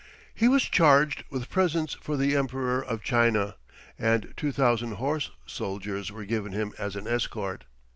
He was charged with presents for the Emperor of China, and 2000 horse soldiers were given him as an escort.